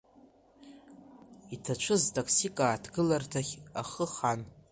Иҭацәыз таксик ааҭгыларҭахь ахы хан.